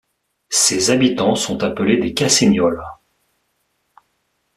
Ses habitants sont appelés les Cassaignols.